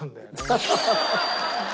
アハハハ。